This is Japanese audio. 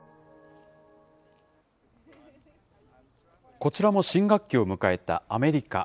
こちらも新学期を迎えたアメリカ。